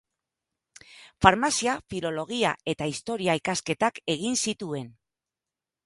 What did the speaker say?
Farmazia, Filologia eta Historia ikasketak egin zituen.